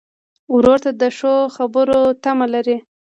ورور ته د ښو خبرو تمه لرې.